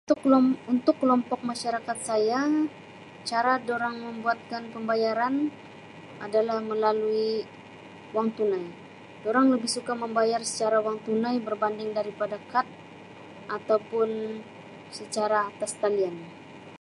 Untuk kelom- untuk kelompok masyarakat saya cara durang membuatkan pembayaran adalah melalui wang tunai, orang lebih suka membayar secara wang tunai berbanding daripada kad atau pun secara atas talian.